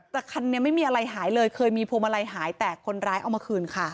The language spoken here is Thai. แต่คันนี้ไม่มีอะไรหายเลยเคยมีพวงมาลัยหายแต่คนร้ายเอามาคืนค่ะ